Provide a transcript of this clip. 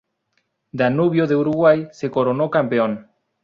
Danubio de Uruguay se coronó campeón.